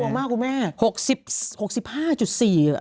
น่ากลัวมากครูแม่